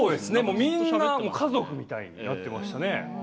みんな家族みたいになっていましたね。